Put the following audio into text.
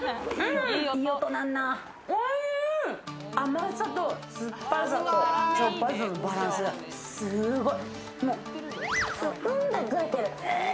甘さと酸っぱさと、しょっぱさのバランスがすごい。